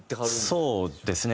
そうですね。